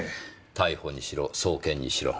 逮捕にしろ送検にしろ。